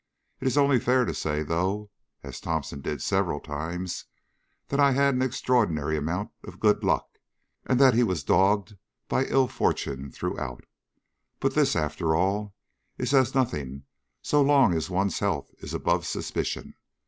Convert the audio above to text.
It is only fair to say, though (as Thomson did several times), that I had an extraordinary amount of good luck, and that he was dogged by ill fortune throughout. But this, after all, is as nothing so long as one's health is above suspicion.